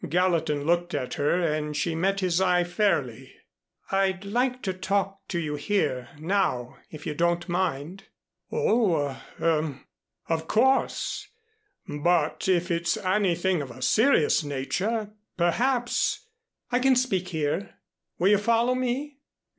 Gallatin looked at her and she met his eye fairly. "I'd like to talk to you here now if you don't mind." "Oh er of course. But if it's anything of a serious nature perhaps " "I can speak here will you follow me?"